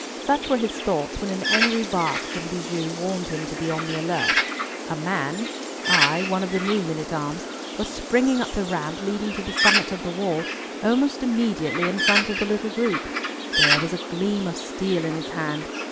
Such were his thoughts when an angry bark from Bijou warned him to be on the alert. A man—ay, one of the new men at arms—was springing up the ramp leading to the summit of the wall almost immediately in front of the little group. There was a gleam of steel in his hand.